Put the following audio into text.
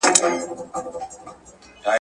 ابداليان د افغانستان د ساتنې لپاره تل چمتو دي.